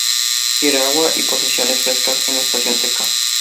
Quiere agua y posiciones frescas en la estación seca.